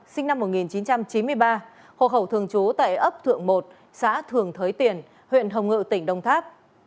sinh năm một nghìn chín trăm chín mươi ba hộ khẩu thường trú tại ấp thượng một xã thường thới tiền huyện hồng ngự tỉnh đông tháp